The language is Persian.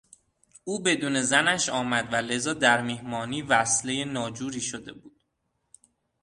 او بدون زنش آمد و لذا در مهمانی وصلهی ناجوری شده بود.